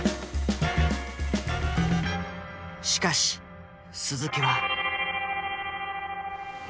しかし鈴木は。